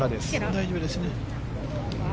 大丈夫ですね。